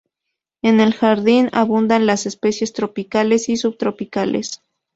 En el jardín abundan las especies tropicales y subtropicales.